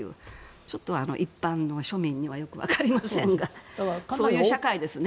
ちょっと、一般の庶民にはよく分かりませんがそういう社会ですね。